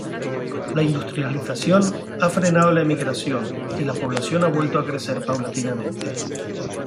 La industrialización ha frenado la emigración y la población ha vuelto a crecer paulatinamente.